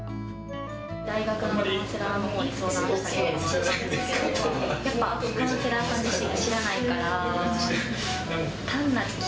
大学のカウンセラーのほうに相談したんですけど、やっぱ、カウンセラーさん自身が知らないから。